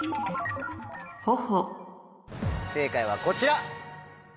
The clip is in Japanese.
正解はこちら。